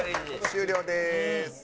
終了です。